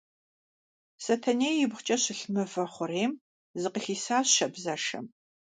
Сэтэней ибгъукӏэ щылъ мывэ хъурейм зыкъыхисащ шабзэшэм.